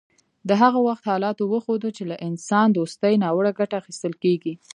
د هغه وخت حالاتو وښوده چې له انسان دوستۍ ناوړه ګټه اخیستل کیږي